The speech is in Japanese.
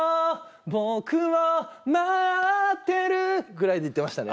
僕を待ってるぐらいで行ってましたね。